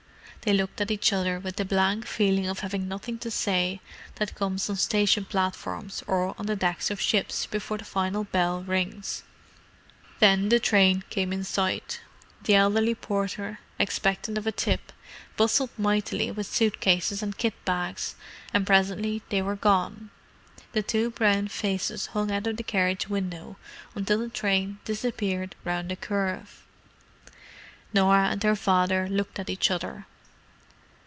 They looked at each other with the blank feeling of having nothing to say that comes on station platforms or on the decks of ships before the final bell rings. Then the train came in sight, the elderly porter, expectant of a tip, bustled mightily with suit cases and kit bags, and presently they were gone. The two brown faces hung out of the carriage window until the train disappeared round a curve. Norah and her father looked at each other.